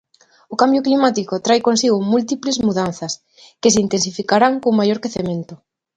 O cambio climático trae consigo múltiples mudanzas, que se intensificarán cun maior quecemento.